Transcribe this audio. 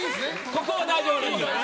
ここは大丈夫です。